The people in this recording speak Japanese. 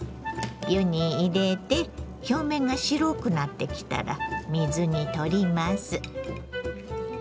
湯に入れて表面が白くなってきたら水にとります。